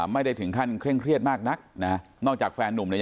ไม่ได้ถึงขั้นเคร่งเครียดมากนักนะนอกจากแฟนนุ่มเนี่ย